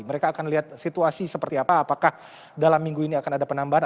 mereka akan lihat situasi seperti apa apakah dalam minggu ini akan ada penambahan